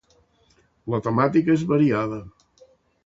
La temàtica és variada.